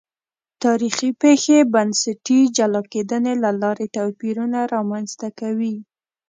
تاریخي پېښې بنسټي جلا کېدنې له لارې توپیرونه رامنځته کوي.